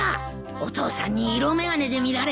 お父さんに色眼鏡で見られたんだぞ。